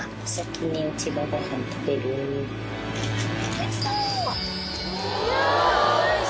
おいしそう！